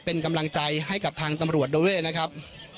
เป็นกำลังใจให้กับทางตำรวจเราด้วยนะครับ